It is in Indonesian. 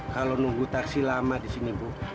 kalau nunggu taksi lama di sini bu